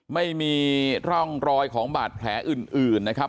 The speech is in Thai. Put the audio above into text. ไม่มีร่องรอยของบาดแผลอื่นนะครับ